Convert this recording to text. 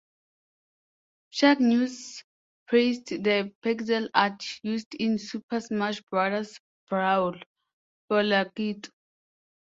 Shack News praised the pixel art used in "Super Smash Brothers Brawl" for Lakitu.